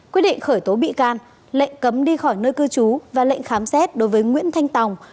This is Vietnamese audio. quyết định khởi tố bị can lệnh cấm đi khỏi nơi cư trú và lệnh khám xét đối với nguyễn thanh tòng